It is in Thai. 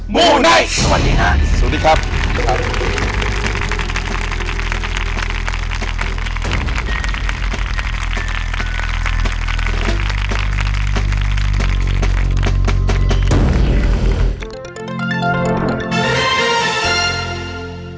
มูไหนสวัสดีครับสวัสดีครับสวัสดีครับ